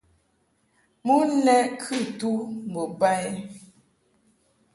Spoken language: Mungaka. Mon lɛ kɨ tu mbo ba i.